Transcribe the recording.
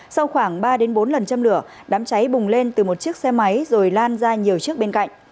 sau khoảng ba bốn lần châm lửa đám cháy bùng lên từ một chiếc xe máy rồi lan ra nhiều chiếc bên cạnh